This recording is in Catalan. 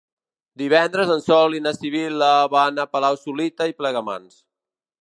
Divendres en Sol i na Sibil·la van a Palau-solità i Plegamans.